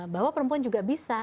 bahwa perempuan juga bisa